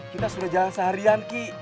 kita sudah jalan seharian ki